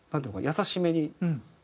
優しめに。